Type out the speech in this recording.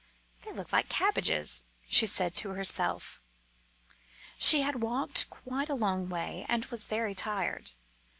"They look like cabbages," she said to herself. She had walked quite a long way, and she was very tired.